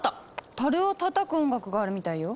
たるをたたく音楽があるみたいよ。